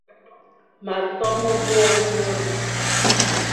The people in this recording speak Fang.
Ma sôghé mebor e nyôl,